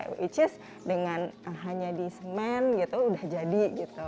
which is dengan hanya di semen gitu udah jadi gitu